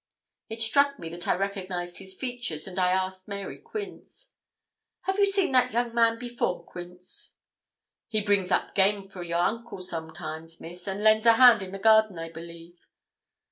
It struck me that I recognised his features, and I asked Mary Quince. 'Have you seen that young man before, Quince?' 'He brings up game for your uncle, sometimes, Miss, and lends a hand in the garden, I believe.'